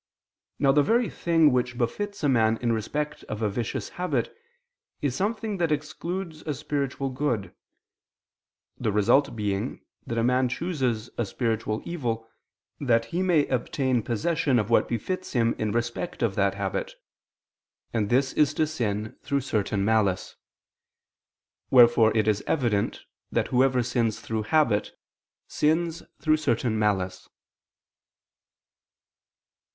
Now the very thing which befits a man in respect of a vicious habit, is something that excludes a spiritual good: the result being that a man chooses a spiritual evil, that he may obtain possession of what befits him in respect of that habit: and this is to sin through certain malice. Wherefore it is evident that whoever sins through habit, sins through certain malice.